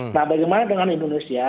nah bagaimana dengan indonesia